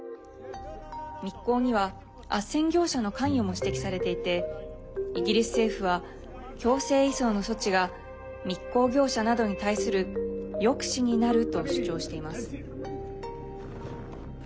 密航には、あっせん業者の関与も指摘されていてイギリス政府は強制移送の措置が密航業者などに対する抑止になると主張しています。